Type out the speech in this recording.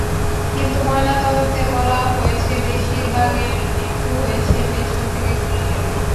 কিন্তু ময়নাতদন্তে বলা হয়েছে, বেশির ভাগের মৃত্যু হয়েছে পেছন থেকে গুলি লেগে।